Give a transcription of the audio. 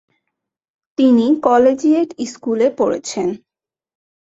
তিনি কলেজিয়েট স্কুলে পড়েছেন।